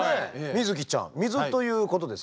水希ちゃん水ということですか？